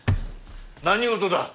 何事だ？